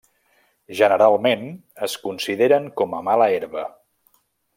Generalment es consideren com a mala herba.